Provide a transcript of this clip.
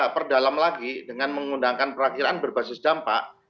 perdalam lagi dengan mengundangkan perakhiran berbasis dampak